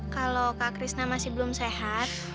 kalau kak krisna masih belum sehat